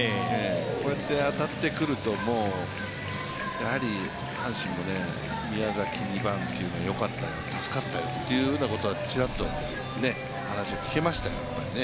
こうやって当たってくるとやはり阪神も宮崎、２番というのはよかったよ、助かったよということはちらっと話を聞きましたよね。